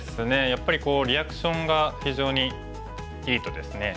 やっぱりリアクションが非常にいいとですね